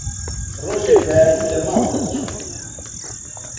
ڕۆژێک بەیانی لە ماڵ دەرچووم